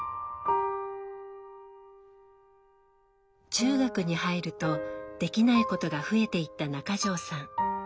中学に入るとできないことが増えていった中条さん。